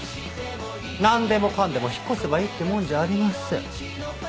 なんでもかんでも引っ越せばいいってもんじゃありません。